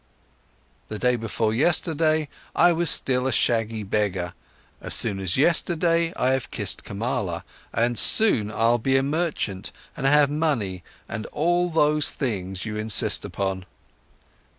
The day before yesterday, I was still a shaggy beggar, as soon as yesterday I have kissed Kamala, and soon I'll be a merchant and have money and all those things you insist upon."